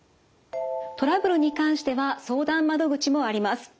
トラブルに関しては相談窓口もあります。